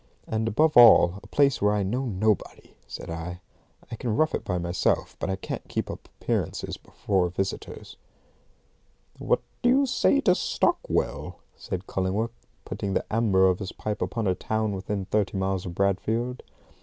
"And, above all, a place where I know nobody," said I. "I can rough it by myself, but I can't keep up appearances before visitors." "What do you say to Stockwell?" said Cullingworth, putting the amber of his pipe upon a town within thirty miles of Bradfield.